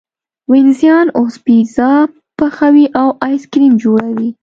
وینزیان اوس پیزا پخوي او ایس کریم جوړوي.